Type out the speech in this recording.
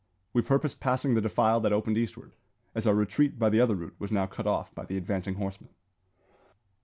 We purposed passing the defile that opened eastward, as our retreat by the other route was now cut off by the advancing horsemen.